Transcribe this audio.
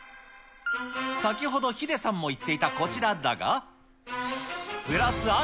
先ほどヒデさんも言っていたこちらだが。